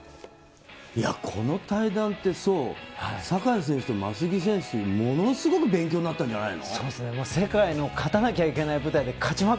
この対談って、壮、坂井選手と眞杉選手、ものすごく勉強になったんじゃない？